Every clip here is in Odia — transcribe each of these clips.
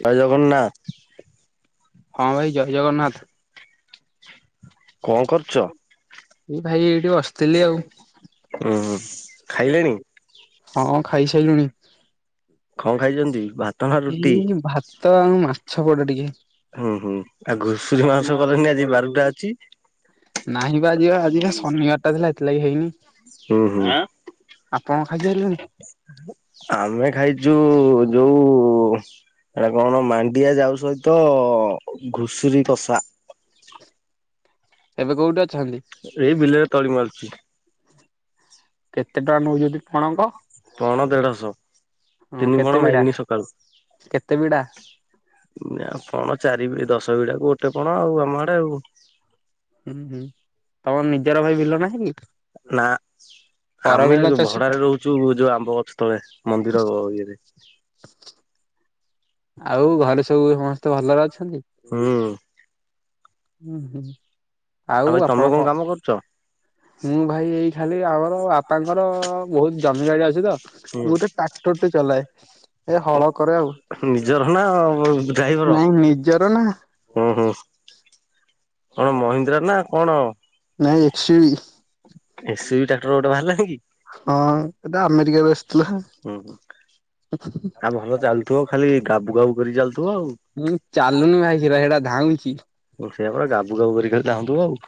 ଭାଇ ଜଗନ୍ନାଥ। ହଁ ଭାଇ ଜୟ ଜଗନ୍ନାଥ। କଣ କରୁଚ? ଏଇ ଭାଇ ଏଇଠି ବସିଥିଲି ଆଉ। ଉୁଁ ହୁଁ ଖାଇଲେଣି ହଁ ଖାଇସାରିଲୁଣି କଣ ଖାଇଛନ୍ତି ଭାତ ନା ରୁଟି? ଏଇ ଭା ତ ମାଛ ପୋଡ ଟିକେ। ହୁଁ ହୁଁ ଆଉ ଘୁଷୁରୀ ମାଂସ କଲେଣି ଆଜି ବାରଟା ଅଛି। ନହିଁ ବା ଆଜିିବା ଆଜିିବା ଶନିବାରଟା ଥିଲା ଏଥିଲାଗି ହେଇନି। ହୁଁ ହୁଁ। ଆପଣ ଖାଇସାରିଲେଣି ଆମେ ଖାଇଛୁ ଯୋଉ। ଏରା କଣ ମାଣ୍ଡିଆ ଯାଉ ସହିତ ଘୁଷୁରୀ କଷା। ହ ଏବେ କୋଉଠି ଅଛନ୍ତି? ଏଇ ବିଲରେ ତଳି ମାରୁୁଛି। କେତେ ଟଙ୍କା ନଉଛନ୍ତି ଫଣଙ୍କ। ଫଣ ଦେଢଶ ତିନି କେତେ ଫଣ ବିଡା ମାଇଲିିନି ସକାଳୁ। କେତେ ବିଡା ନା ପଣ ଚାରି ଦଶ ବିଡାକୁ ଗୋଟେ ପଣ ଆଉ ଆମ ଆଡେ ଆଉ। ହୁଁ ହୁଁ ତମର ନିଜର ଭାଇ ବିଲ ନାହିଁ କି? ନା। ପର ଆମେ ବିଲ ଚଷୁଛ ଭଡାରେ ରହୁଛୁ ଯୋଉ ଆମ୍ବ ଗଛ ତଳେ ମନ୍ଦିର ଇଏରେ। ଆଉ ଘରେ ସବୁ ସମସ୍ତେ ଭଲରେ ଅଛନ୍ତି? ହୁଁ। ହୁଁ ହୁଁ। ଆଉ ଭାଇ ତମେ କଣ କାମ କରୁଚ? ହୁଁ ଭାଇ ଏଇ ଖାଲି ଆମର ବାପାଙ୍କର ବହୁତ ଜମି ବାଡି ଅଛି ତ ହୁଁ। ମୁଁ ଗୋଟେ ଟ୍ରାକ୍ଟର ଟେ ଚଲାଏ। ଏ ହଳ କରେ ଆଉ ନିଜର ନା ଡ୍ରାଇଭର। ନାଇଁ ନିଜର ନା ହୁଁ ହୁଁ। କଣ ମହିନ୍ଦ୍ରା ନା କଣ? ନାହିଁ। [unintelligible] ଏସି ବି ଟ୍ରାକ୍ଟର ଗୋଟେ ବାହାରି ଲାଣିକି। ହଁ ଏଟା ଆମେରିକା ରୁ ଆସିଥିଲା। ଆ ଭଲ ଚାଲୁଥିବ ଖାଲି ଗାବୁ ଗାବୁ କରି ଚାଲୁଥିବ ଆଉ। ମୁଁ ଚାଲୁନି ଭାଇ ସେରା ହେଡା ଧାଉଁଛି। ହଁ ସେୟାପା ଗାବୁ ଗାବୁ କରି ଖାଲି ଧାଉଁ ଥୁବ ଆଉ।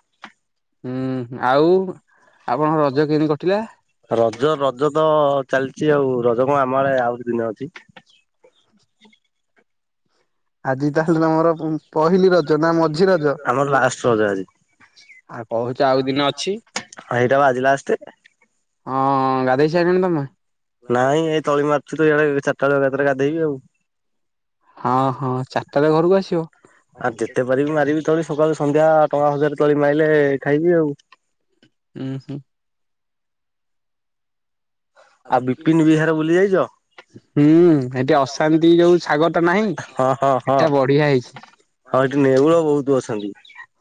ହୁଁ ଆଉ ଆପଣଙ୍କ ରଜ କେମିତି କଟିଲା? ରଜ ରଜ ତ ଚାଲିଛି ଆଉ ରଜ କଣ ଆମ ଆଳେ ଆଉ ଦି ଦିନେ ଅଛି। ଆଜି ତାହେଲେ ତମର ପହିଲି ରଜ ନା ମଝି ରଜ? ଆମର ଲାଷ୍ଟ ରଜ ଆଜି। ଆଉ କହୁଛ ଆଉ ଦିନ ଅଛି ହଁ ଏଇଟା ବା ଆଜି ଲାଷ୍ଟେ। ହଁ ଗାଧେଇ ସାଇଲଣି ତମେ? ନାଇଁ ଏଇ ତଳି ମାରୁଥିଲି ତ ଇଆଡେ ଚାରଟା ବେଳେ ଏକା ଥରେ ଗାଧେଇବି ଆଉ। ହଁ ହଁ ଚାରିଟାରେ ଘରକୁ ଆସିବ? ଆ ଯେତେ ପାରିବି ମାରିବି ତଳି ସକାଳୁ ସନ୍ଧ୍ୟା ଟଙ୍କା ହଜାରେ ତଳି ମାଇଲେ ଖାଇବି ଆଉ। ଉଁ ହୁଁ। ଆଉ ବିପିନ ବିହାର ବୁଲି ଯାଇଛ? ହୁଁ ଏଠି ଅଶାନ୍ତି ଯୋଉ ସାଗରଟା ନାହିଁ ହଁ ହଁ ଏଟା ହଁ। ବଢିଆ ହେଇଛି। ହଁ ଏଠି ନେଉଳ ବହୁତ ଅଛନ୍ତି।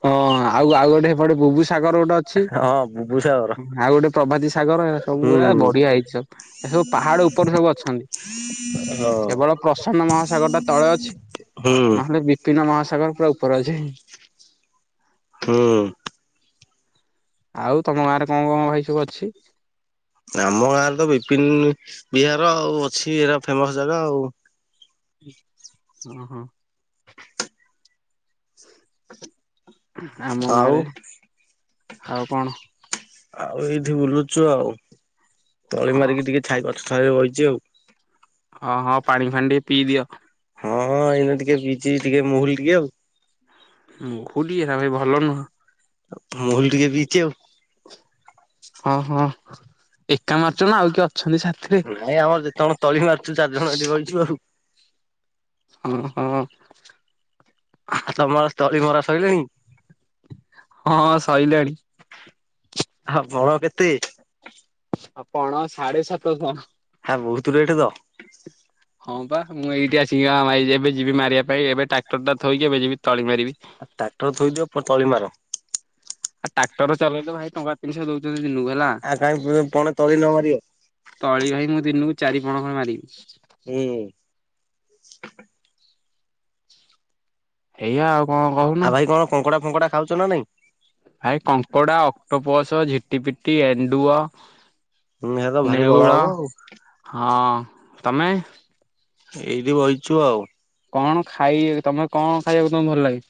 ହଁ ଆଉ ଆଉ ଗୋଟେ ଏପଟେ ବୁବୁ ସାଗର ଗୋଟେ ଅ ଛି ହଁ ବୁବୁ ସାହର। ହୁଁ ଆଉ ଗୋଟେ ପ୍ରଭତି ସାଗର ଏ ସବୁ ଏ ହୁଁ ବଢିଆ ହେଇଚି ସବୁ। ଏ ସବୁ ପାହାଡ ଉପରେ ସବୁ ଅଛନ୍ତି, କେବଳ ହୁଁ ପ୍ରସାନ୍ତ ମହାସାଗରଟା ତଳେ ଅଛି ନହେଲେ ବିପିନ ମହାସାଗର ପୁରା ଉପର ଅଛି। ହୁଁ। ଆଉ ତମ ଗାଁରେ କଣ କଣ ଭାଇ ସବୁ ଅଛି? ଆମ ଗାଁରେ ତ ବିପିନ ବିହାର ଆଉ ଅଛି ଏରା ଫେମସ ଜାଗା ଆଉ। ହଁ ହଁ। ଆମ ଆଉ ଗାଁରେ ଆଉ କଣ? ଆଉ ଏଇଠି ବୁଲୁଚୁ ଆଉ ତଳି ହଁ ମାରିକି ଟିକେ ଛାଇ ଗଛ ଛାଇରେ ବଇଚି ଆଉ। ହଁ ହଁ ପାଣି ଫାଣି ଟିକେ ପିଇ ଦିଅ। ହଁ ହଁ ଏଇନା ଟିକେ ପିଇଚି ଟିକେ ମୁହୁଲୀ ଟିକେ ଆଉ। ମହୁଲି ଏରା ବି ଭଲ ନୁହଁ। ଆଉ ମୁହୁଲି ଟିକେ ପିଇଚି ଆଉ। ହଁ ହଁ ଏକା ମାରୁଚ ନା ଆଉ କିଏ ଅଛନ୍ତି ସା ନାଇଁ ଆମର ଯେତେ ଜଣ ତଳି ମାରୁଛୁ ଚାରି ଜଣ ଏଇଠି ବଇଚୁ ଆଉ। ହଁ ହଁ। ଆଉ ତମର ତଳି ମରା ସଇଲାଣିି? ହଁ ସଇଲାଣି। ହଁ ବଳ କେତେ? ଆଉ ପଣ ସାଢେ ସାତଶହ। ଆ ବହୁତ ରେଟେ ତ! ହଁ ବା ମୁଁ ଏଇଠି ଆସିକି ଆମ ଏଇ ଏବେ ଯିବି ମାରିବା ପାଇଁ ଏବେ ଟ୍ରାକ୍ଟରଟା ଥୋଇକି ଏବେ ଯିବି ତଳି ମାରିବି। ଆ ଟ୍ରାଟର ଥୋଇ ଦିଅ ପ ତଳି ମାର। ଆଉ ଟ୍ରାକ୍ଟର ଚଲେଇଲେ ଭାଇ ଟଙ୍କା ତିନିଶହ ଦଉଛନ୍ତି ଦିନୁକୁ ହେଲା ଆଉ କାହିଁ ପଣେ ତଳି ନ ମାରିବ ତଳି ଭାଇ ମୁଁ ଦିନୁକୁ ଚାରିପଣ ଖଣ୍ଡେ ମାରିବି। ହୁଁ। ହେଇଆ ଆଉ ହଁ ହଉ। ଆଉ ଭାଇ କଣ କଙ୍କଡା ଫଙ୍କଡା ଖାଉଛ ନା ନାଇଁ? ଭାଇ କଙ୍କଡା, ଅକ୍ଟୋପସ, ଝିଟିପିଟି, ଏଣ୍ଡୁଅ ହୁଁ ସେ ତ ଭାରି ବଳ ନେଉଳ ହବ ଆଉ ହଁ ତମେ ଏଇଠି ବଇଛୁ ଆଉ କଣ ଖାଇ ତମେ କଣ ଖାଇବାକୁ ତମକୁ ଭଲ ଲାଗେ?